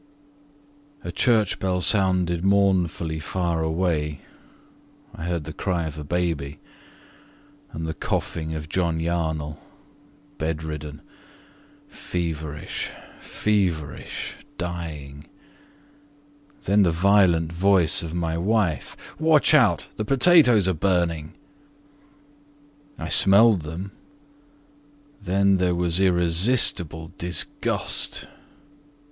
A church bell sounded mournfully far away, I heard the cry of a baby, And the coughing of John Yarnell, Bed ridden, feverish, feverish, dying, Then the violent voice of my wife: "Watch out, the potatoes are burning!" I smelled them ... then there was irresistible disgust.